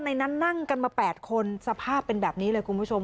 ในนั้นนั่งกันมา๘คนสภาพเป็นแบบนี้เลยคุณผู้ชม